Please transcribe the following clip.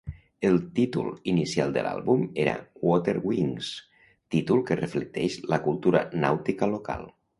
El títol inicial de l'àlbum era "Water Wings", títol que reflecteix la cultura nàutica local.